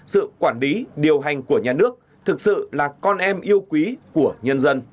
sự quản lý điều hành của nhà nước thực sự là con em yêu quý của nhân dân